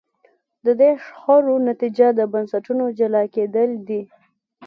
د دې شخړو نتیجه د بنسټونو جلا کېدل دي.